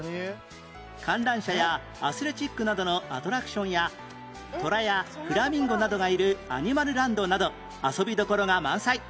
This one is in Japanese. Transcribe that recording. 観覧車やアスレチックなどのアトラクションやトラやフラミンゴなどがいるアニマルランドなど遊びどころが満載